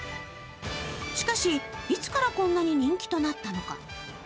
しかし、いつからこんなに人気となったのか。